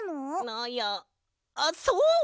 あいやあっそう！